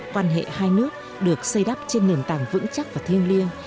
quan hệ hai nước được xây đắp trên nền tảng vững chắc và thiêng liêng